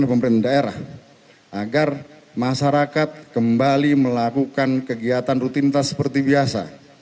pemerintah daerah agar masyarakat kembali melakukan kegiatan rutinitas seperti biasa